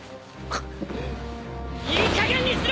いいかげんにしろ！